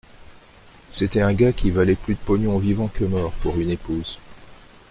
C’était un gars qui valait plus de pognon vivant que mort, pour une épouse